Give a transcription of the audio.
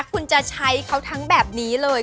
คุณจะใช้เขาทั้งแบบนี้เลย